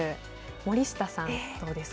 森下さん、どうですか。